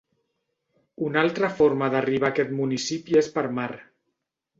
Una altra forma d'arribar a aquest municipi és per mar.